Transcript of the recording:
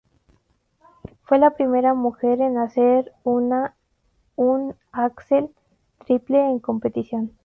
Fue la primera mujer en hacer una un "axel" triple en competición.